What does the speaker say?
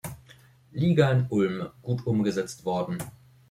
Liga in Ulm, gut umgesetzt worden.